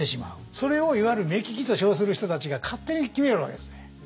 それをいわゆる目利きと称する人たちが勝手に決めるわけですね。